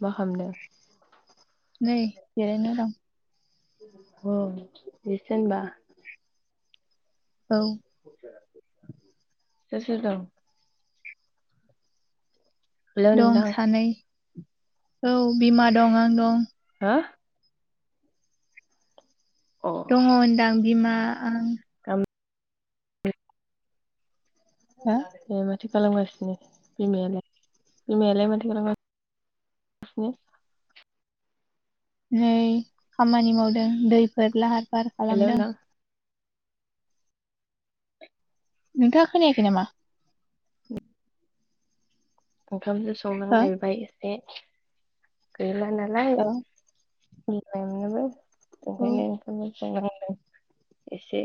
मा खामदों? नै जेरै ना दं। औ बेसो होनबा? औ। सोर सोर दं? हेलौ दं नोंथां सानै औ बिमा दं आं दं। हा? अ दङ होनदां बिमा आं। हो ए माथो खालामगासिनो बिमायालाय बिमायालाय माथो खालामगा सिनो नै खामानि मावदों दैफोर लाहार फाहार हेलौ खालामदों। नोंथां नोंथाङा खोनाखै नामा? [inaudible] ओंखामसो हो संनांलायबाय एसे गैला नालाय। औ औ [inaudible] [inaudible] एसे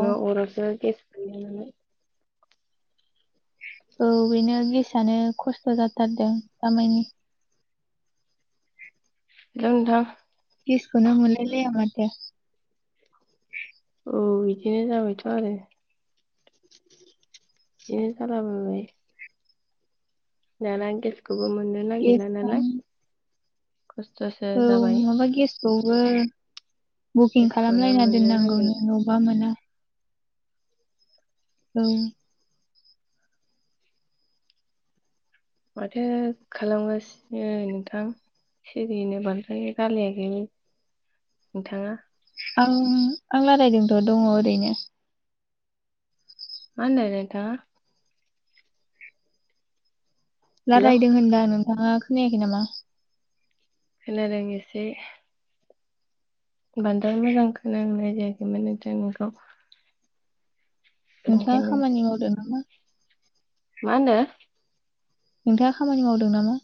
अ अरावसो गेस गैयानालाय औ बेनो गेसआनो खस्थ' जाथारदों दामायनि। [unintelligible] गेसखौनो मोनलाय लाया माथो। औ बिदिनो जाबायथ' आरो। बिदिनो जालाबायबाय। दाना गेसखौबो मोननो गेस नागिरला नालाय। खस्थसो जाबाय। खौबो बुकिं गेसखौनो खालामलायना मोननो दोननांगौनो नागिरला न'बा मोना। औ माथो खालामगासिनो नोंथां? सिरिनो बानद्राय रालाययाखैनो नोंथाङा? आं आं लारायदोंथ' दङ ओरैनो। मा होनदों नोंथाङा? हेलौ रालायदों होनदां नोंथाङा खोनायाखै नामा? खोनादों एसे। बानद्राय मोजां खोनानाय जायाखै माने [inaudible] खौ। नोंथाङा खामानि मावदों नामा? मा होनदो? नोंथाङा खामानि मावदों नामा?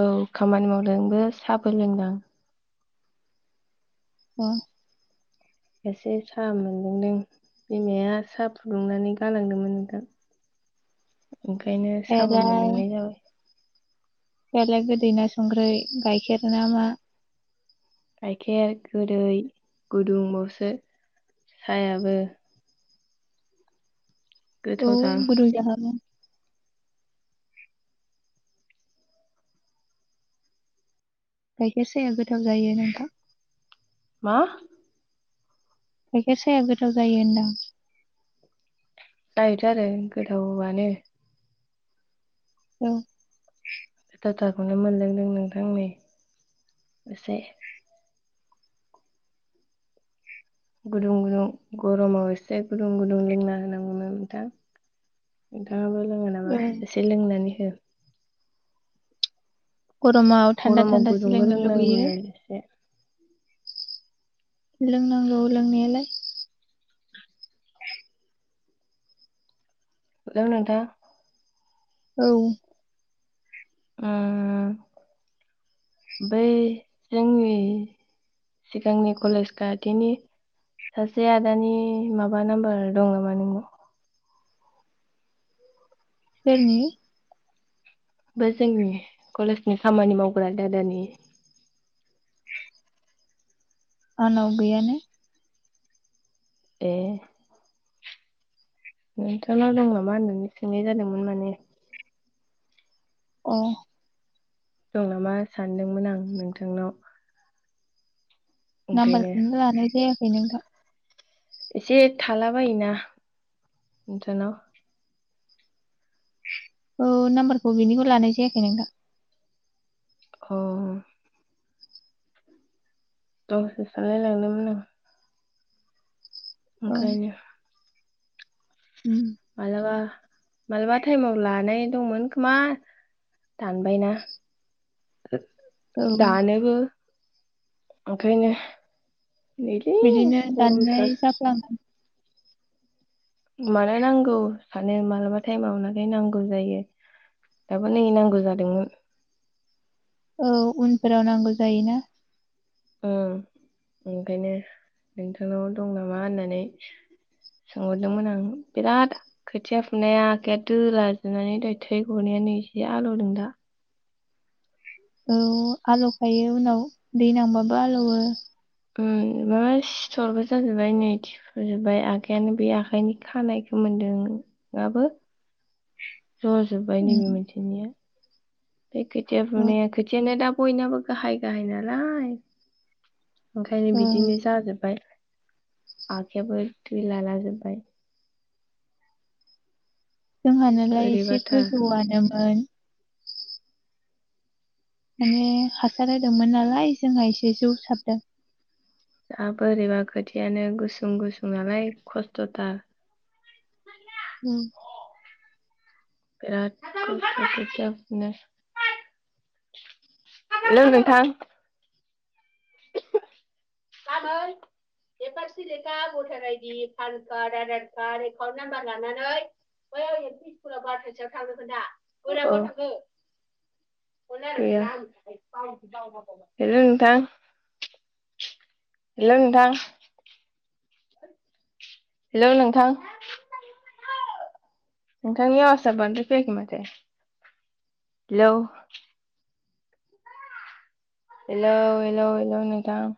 औ खामानि मावदोंबो साहाबो लोंदां। [unintelligible] एसे साहा मोनलोंदों बिमाया साहा फुदुंनानै गालांदोंमोन नोंथां। ओंखायनो साबो मोनलोंनाय जाबाय। बेले गोदै ना संख्रै गाइखेर ना मा? गाइखेर गोदै गुदुंबावसो साहयाबो? औ गोथावथार गुदुं जाखागोन। गाइखेर साया गोथाव जायो नोंथां। मा? गाइखेर साया गोथाव जायो होनदां। जायोथ' आरो गोथावआनो। औ गोथावखौनो मोनलोंदों नोंथां नै एसे। गुदुं गुदुं गरमाव एसे गुदुं गुदुं लोंना होनांगौमोन नोंथां। नोंथाङाबो लोङो नामा औ एसे लोंनानै हो। गरमाव थान्दा गरमाव थान्दासो गुदुंबो लोंनो लुुबैयो। लोंनांगौनो एसे लोंनांगौ लोंनायालाय। हेलौ नोंथां। औ। उम बै जोंनि सिगांनि कलेज खाथिनि सासे आदानि माबा नाम्बार दं नामा नोंनाव? सोरनि? बै जोंनि कलेजनि खामानि मावग्रा दादानि आंनाव गैयानो। ए। नोंथांनाव दं नामा होननानै सोंनाय जादोंमोन माने अ। दं नामा सानदोंमोन आं नोंथांनाव। ओंखायनो नाम्बारखौनो लानाय जायाखै नोंथां। एसे थाला बायोना नोंसोरनाव औ नाम्बारखौ बेनिखौ लानाय जायाखै नोंथां। अ। औ [unintelligible] औ ओंखायनो उम माबलाबा मालाबा टाइमआव लानाय दंमोन खोमा दानबायना औ दानोबो ओंखायनो नै बे बिदिनो दाननाय गरमथार। जाफ्लाङो मानो नांगौ सानो मालाबा टाइमाव नाथाय नांगौ जायो। दाबो नै नांगौ जादोंमोन। औ उनफोराव नांगौ जायोना। उम ओंखायनो नोंथांनाव दं नामा होननानै सोंहरदोंमोन आं बिराद खोथिया फुनाया आखाइया दोला जोबनानै नै थै गनाया एसे जसे आलौदोंं दा। औ आलौखायो उनाव दै नांबाबो आलौवो। ओम मार सिथरबो जाजोब्बाय नै थिफुजोबबाय आखायआनो बे आखाइनि खानायखौ मोन्दों। गाबो जजोब्बाय नैबे उम, मोनसेनिया बे खोथिया औ फुनाया खोथियानो दा बयनाबो गाहाय गाहाय नालाय। ओंखायनो औ बिदिनो जाजोब्बाय। आखायाबो थै लालाजोब्बाय। जोंहानालाय एसे बोरैबाथार गोजौआनोमोन माने हासार होदोंमोन नालाय जोंहा एसे जौसाबदों। दा बोरैबा खोथियानो गुसुं गुसुं नालाय खस्थ'थार। [inaudible] उम। [unintelligible] हेलौ नोंथां। [inaudible] [unintelligible] भटार आइदि पान card Aadhaar card account number लानानै [unintelligible] हेलौ नोंथां। हेल' नोंथां। हेलौ नोंथां। नोंथांनि आवासा बांद्राय फैयाखै माथो। हेल'। हेल' -हेल'- हेल' नोंथां